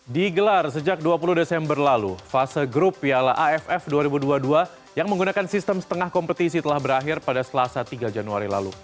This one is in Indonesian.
digelar sejak dua puluh desember lalu fase grup piala aff dua ribu dua puluh dua yang menggunakan sistem setengah kompetisi telah berakhir pada selasa tiga januari lalu